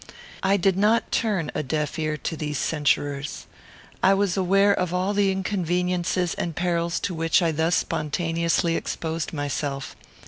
I did not turn a deaf ear to these censurers. I was aware of all the inconveniences and perils to which I thus spontaneously exposed myself.